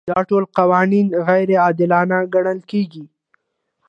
دا ټول قوانین غیر عادلانه ګڼل کیږي.